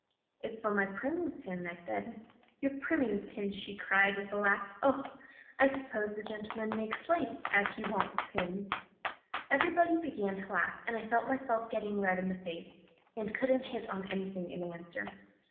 "'It's for my priming pin,' said I. "'Your priming pin!' she cried, with a laugh. 'Oho! I suppose the gentleman makes lace, as he wants pins!' "Everybody began to laugh, and I felt myself getting red in the face, and couldn't hit on anything in answer.